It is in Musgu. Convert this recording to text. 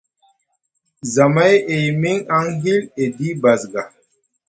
Zamay e yimiŋ aŋ hill edi basga.